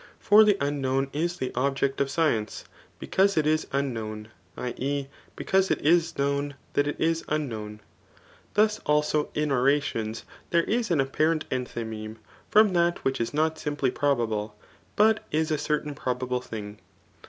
For the unknown is the object of science, because it is unknown, [i. e. because it is known that it is unknown.^ Thus also in orations there is an apparent enthymeme^ fo»n that which is not simply probable, but is a certain probable thing.